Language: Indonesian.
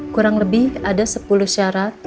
kurang lebih ada sepuluh syarat